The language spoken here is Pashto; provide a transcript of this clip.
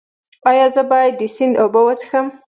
ایا زه باید د سیند اوبه وڅښم؟